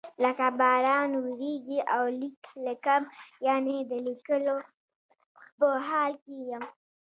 لکه باران وریږي او لیک لیکم یعنی د لیکلو په حال کې یم.